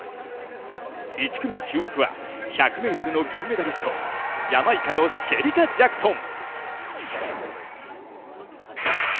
１組の注目は、１００ｍの銀メダリストジャマイカのシェリカ・ジャクソン。